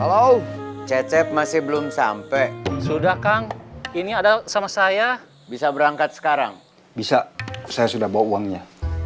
halo cecep masih belum sampai sudah kang ini ada sama saya bisa berangkat sekarang bisa saya sudah bawa uangnya